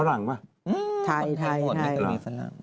ฝรั่งปะไทยมีฝรั่ง